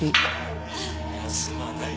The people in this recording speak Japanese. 休まない。